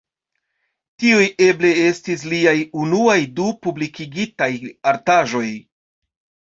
Tiuj eble estis liaj unuaj du publikigitaj artaĵoj.